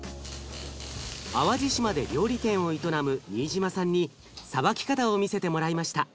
淡路島で料理店を営む新島さんにさばき方を見せてもらいました。